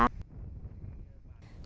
trên địa bàn huyện hướng hóa tỉnh quảng trị